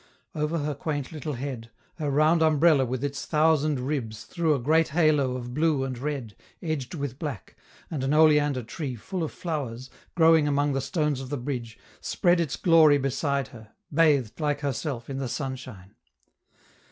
Over her quaint little head, her round umbrella with its thousand ribs threw a great halo of blue and red, edged with black, and an oleander tree full of flowers, growing among the stones of the bridge, spread its glory beside her, bathed, like herself, in the sunshine.